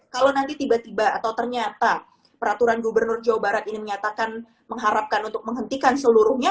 kalau nanti tiba tiba atau ternyata peraturan gubernur jawa barat ini menyatakan mengharapkan untuk menghentikan seluruhnya